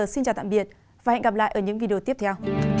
xin chào tạm biệt và hẹn gặp lại ở những video tiếp theo